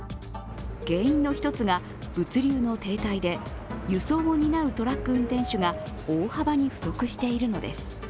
原因の１つが物流の停滞で輸送を担うトラック運転手が大幅に不足しているのです。